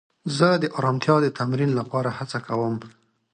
زه د ارامتیا د تمرین لپاره هڅه کوم.